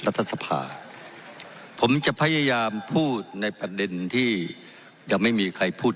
รัฐสภาผมจะพยายามพูดในประเด็นที่ยังไม่มีใครพูด